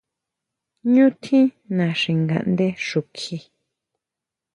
Ñú tjín naxi ngaʼndé xukji.